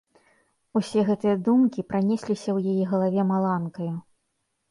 Усе гэтыя думкі пранесліся ў яе галаве маланкаю.